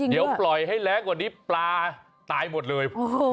เดี๋ยวปล่อยให้แรงกว่านี้ปลาตายหมดเลย